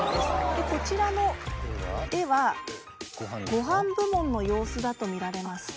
でこちらの絵はご飯部門の様子だと見られます。